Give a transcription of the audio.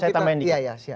saya tambahin dikit